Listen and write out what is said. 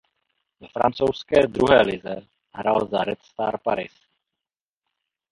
Ve francouzské druhé lize hrál za Red Star Paris.